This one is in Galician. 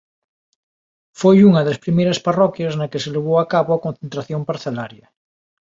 Foi unha das primeiras parroquias na que se levou a cabo a concentración parcelaria.